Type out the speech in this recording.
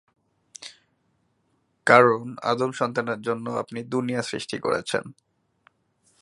কারণ, আদম সন্তানের জন্য আপনি দুনিয়া সৃষ্টি করেছেন।